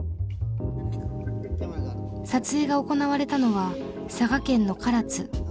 撮影が行われたのは佐賀県の唐津。